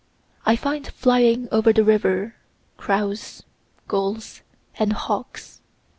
I find flying over the river, crows, gulls and hawks.